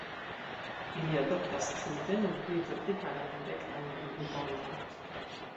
Ili adoptas sintenon pli vertikalan kaj rektan dum ripozo.